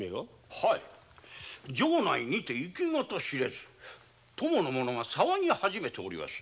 城内にて行方知れず供の者が騒ぎ始めております。